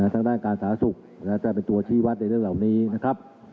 ทางด้านการสาธารณสุขจะเป็นตัวชี้วัดในเรื่องเหล่านี้นะครับ